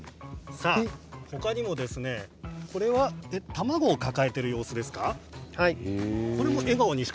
他にも、これは卵を抱えている様子ですか？